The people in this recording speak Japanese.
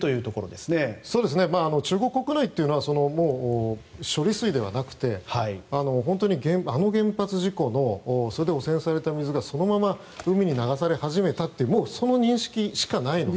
中国国内は処理水ではなくてあの原発事故で汚染された水がそのまま海に流され始めたというその認識しかないんです。